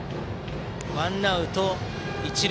ワンアウト、一塁。